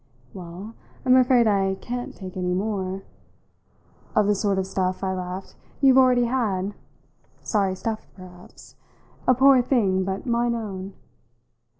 "Well, I'm afraid I can't take any more " "Of the sort of stuff," I laughed, "you've already had? Sorry stuff, perhaps a poor thing but mine own!